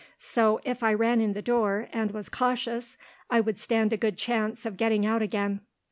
So, if I ran in the door, and was cautious, I would stand a good chance of getting out again.